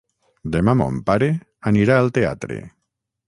Demà mon pare anirà al teatre.